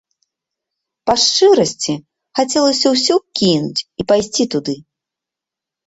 Па шчырасці, хацелася ўсё кінуць і пайсці туды.